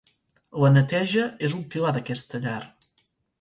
La neteja és un pilar d'aquesta llar.